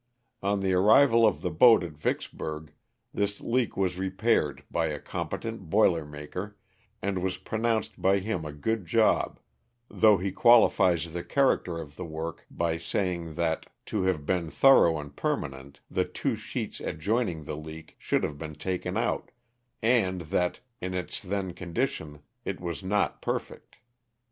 On the arrival of the boat at Vicksburg this leak was repaired by a competent boiler maker, and was pronounced by him a good job, though ho qualifies the character of the work by saying that, to have been thorough and permanent, the two sheets adjoining the leak should have been taken out, and that, in its then condi tion, it was not perfect.